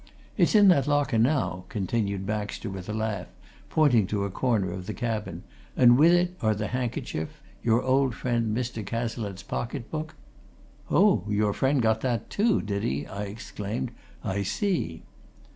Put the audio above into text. It's in that locker now," continued Baxter, with a laugh, pointing to a corner of the cabin, "and with it are the handkerchief, your old friend Mr. Cazalette's pocket book " "Oh! your friend got that, too, did he?" I exclaimed. "I see!"